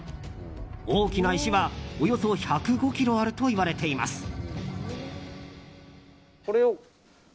大きな石はおよそ１０５ｋｇあるといわれています。